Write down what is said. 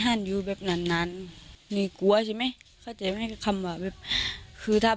ห้านอยู่แบบนานนานหนีกลัวใช่ไหมเขาจะไม่ให้คำว่าแบบคือถ้า